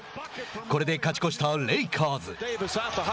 これで勝ち越したレイカーズ。